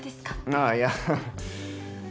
ああいや。